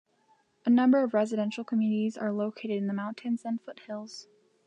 A number of residential communities are located in the mountains and foothills.